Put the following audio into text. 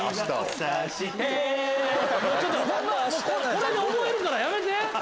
さしてこれで覚えるからやめて！